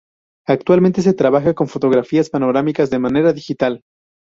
Actualmente se trabaja con las fotografías panorámicas de manera digital.